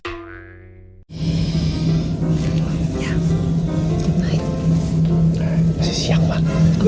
itu siang banget